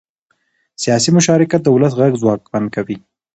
سیاسي مشارکت د ولس غږ ځواکمن کوي